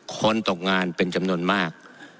ตกงานเป็นจำนวนมาก